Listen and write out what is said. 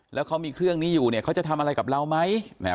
แล้วเขามีเครื่องนี้อยู่เนี่ยเขาจะทำอะไรกับเราไหม